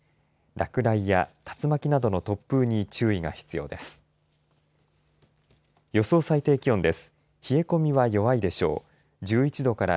落雷や竜巻などの突風に注意が必要です。